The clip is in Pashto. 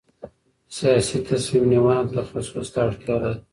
سیاسي تصمیم نیونه تخصص ته اړتیا لري